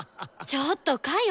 ちょっとかよ